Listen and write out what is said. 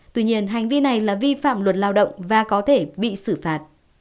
tuy nhiên hành vi này là vi phạm luật lao động và có thể bị xử phạt